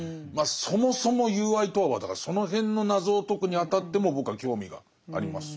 そもそも友愛とはだからその辺の謎を解くにあたっても僕は興味があります。